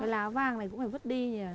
cái lá vàng này cũng phải vứt đi nhỉ